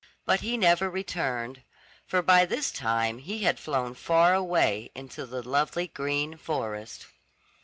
But he never returned; for by this time he had flown far away into the lovely green forest.